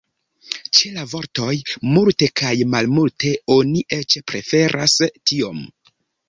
Ĉe la vortoj "multe" kaj "malmulte" oni eĉ preferas "tiom".